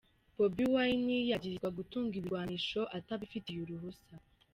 Bobi Wine yagirizwa gutunga ibirwanisho atabifitiye uruhusa.